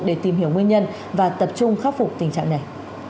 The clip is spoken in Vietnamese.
để tìm hiểu nguyên nhân và tập trung khắc phục tình trạng này